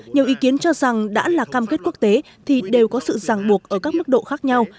nhiều ý kiến cho rằng đã là cam kết quốc tế thì đều có sự ràng buộc ở các mức độ khác nhau